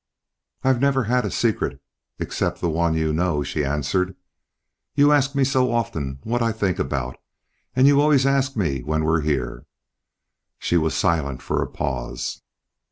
"I never had a secret, except the one you know," she answered. "You ask me so often what I think about, and you always ask me when we're here." She was silent for a pause.